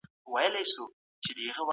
پیسي او کوکاکولا روغتیا ته زیان لري.